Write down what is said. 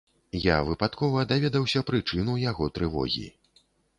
Я выпадкова даведаўся прычыну яго трывогі.